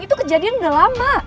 itu kejadian udah lama